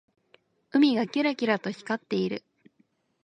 海がキラキラと光っている。